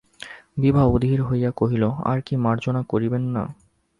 বিভা অধীর হইয়া কহিল, আর কি মার্জনা করিবেন না?